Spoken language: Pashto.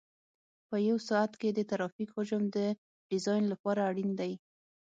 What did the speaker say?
په یو ساعت کې د ترافیک حجم د ډیزاین لپاره اړین دی